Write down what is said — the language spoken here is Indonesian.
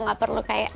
gak perlu kayak